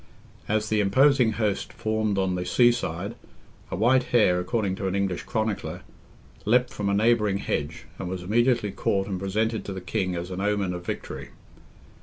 As the imposing host formed on the sea side, a white hare, according to an English chronicler, leapt from a neighbouring hedge, and was immediately caught and presented to the King as an omen of victory.